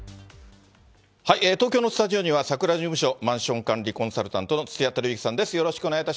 東京のスタジオには、さくら事務所マンション管理コンサルタントの土屋輝之さんです。